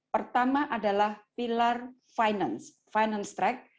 pertama adalah pilar finance finance track